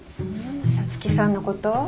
皐月さんのこと？